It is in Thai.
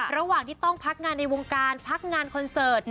ระหว่างที่ต้องพักงานในวงการพักงานคอนเสิร์ต